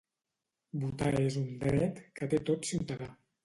Votar és un dret que té tot ciutadà.